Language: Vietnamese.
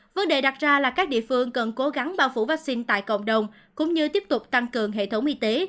vấn đề đặt ra là các địa phương cần cố gắng bao phủ vaccine tại cộng đồng cũng như tiếp tục tăng cường hệ thống y tế